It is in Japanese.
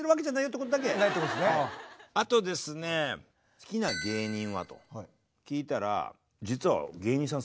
「好きな芸人は？」と聞いたら実は芸人さん